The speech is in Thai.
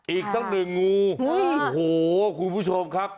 อีกสักหนึ่งงูโอ้โหคุณผู้ชมครับ